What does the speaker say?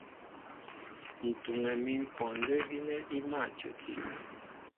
Ǹ tuŋɛ mín kwɔndə́ gínɛ́ í mâ a cəki.